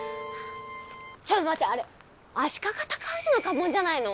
ちょっと待ってあれ足利尊氏の家紋じゃないの？